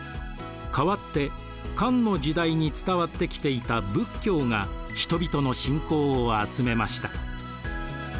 代わって漢の時代に伝わってきていた仏教が人々の信仰を集めました。